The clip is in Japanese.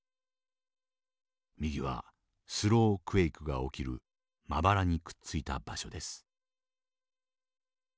右はスロークエイクが起きるまばらにくっついた場所です。